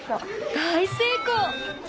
大成功！